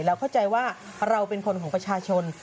เราเข้าใจว่าเราเป็นคนของประชาชน